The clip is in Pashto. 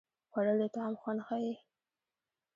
خوړل د طعام خوند ښيي